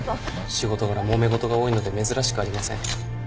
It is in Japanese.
仕事柄もめ事が多いので珍しくありません。